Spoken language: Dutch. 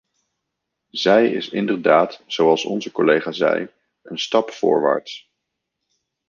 Zij is inderdaad, zoals onze collega zei, een stap voorwaarts.